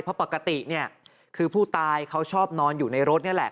เพราะปกติเนี่ยคือผู้ตายเขาชอบนอนอยู่ในรถนี่แหละ